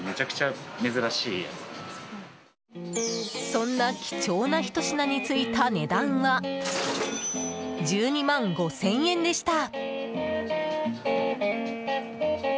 そんな貴重なひと品についた値段は、１２万５０００円でした。